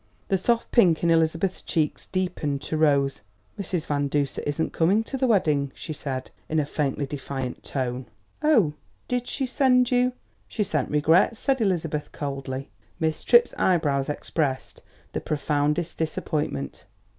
The soft pink in Elizabeth's cheeks deepened to rose. "Mrs. Van Duser isn't coming to the wedding," she said, in a faintly defiant tone. "Oh! Did she send you " "She sent regrets," said Elizabeth coldly. Miss Tripp's eyebrows expressed the profoundest disappointment.